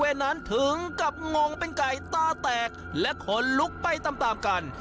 นั้นถึงกับงงเป็นไก่ตาแตกและขนลุกไปตามตามกัน